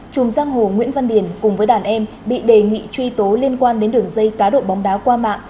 chùm giang hồ nguyễn văn điền cùng với đàn em bị đề nghị truy tố liên quan đến đường dây cá độ bóng đá qua mạng